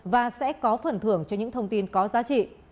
và sẽ có phần thưởng cho những thông tin có giá trị